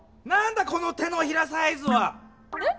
この手のひらサイズは！え？